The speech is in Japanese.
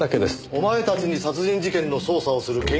お前たちに殺人事件の捜査をする権限はない。